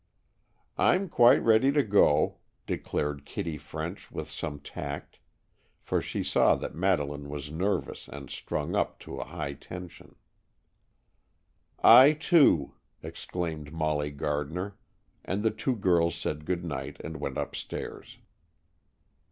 "I'm quite ready to go," declared Kitty French with some tact, for she saw that Madeleine was nervous and strung up to a high tension. "I, too," exclaimed Molly Gardner, and the two girls said good night and went upstairs.